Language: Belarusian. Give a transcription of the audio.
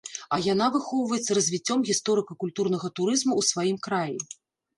А яна выхоўваецца развіццём гісторыка-культурнага турызму ў сваім краі.